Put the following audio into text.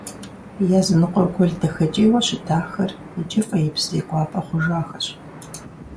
Языныкъуэ гуэл дахэкӀейуэ щытахэр иджы фӀеипс зекӀуапӀэ хъужахэщ.